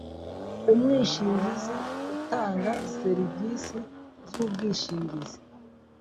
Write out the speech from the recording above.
umwishingizi utanga serivisi z ubwishingizi